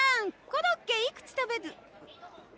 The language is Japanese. コロッケいくつ食べる。